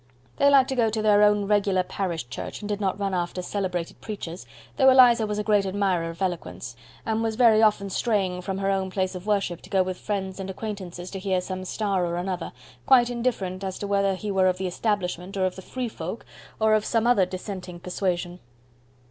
They liked to go to their own regular parish church, and did not run after celebrated preachers; though Eliza was a great admirer of eloquence, and was very often straying from her own place of worship to go with friends and acquaintances to hear some star or another, quite indifferent as to whether he were of the Establishment or of the Free Kirk, or of some other dissenting persuasion.